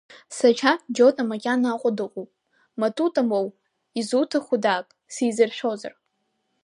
Сашьа Џьота макьана Аҟәа дыҟоуп, Матута моу, изуҭаху дааг, сизыршәозар…